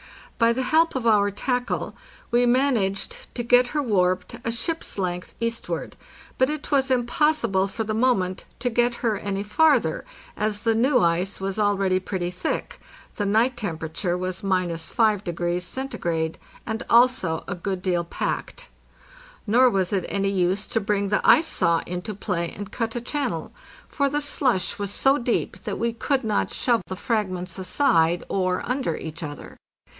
By the help of our tackle we managed to get her warped a ship's length eastward, but it was impossible for the moment to get her any farther, as the new ice was already pretty thick (the night temperature was —5°C.), and also a good deal packed. Nor was it any use to bring the ice saw into play and cut a channel, for the slush was 656 APPENDIX so deep that we could not shove the fragments aside or under each other.